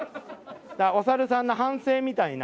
お猿さんの反省みたいな。